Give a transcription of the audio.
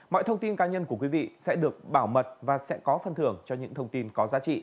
mọi thông tin cá nhân của quý vị sẽ được bảo mật và sẽ có phân thức